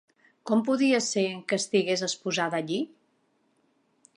Com podia ser que estigués exposada allí?